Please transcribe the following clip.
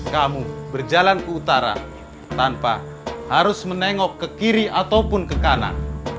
kamu berjalan ke utara tanpa harus menengok ke kiri ataupun ke kanan